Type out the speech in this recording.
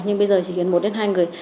nhưng bây giờ chỉ cần một đến hai người